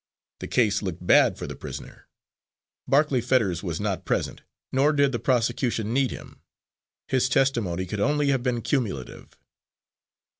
The case looked bad for the prisoner. Barclay Fetters was not present, nor did the prosecution need him; his testimony could only have been cumulative.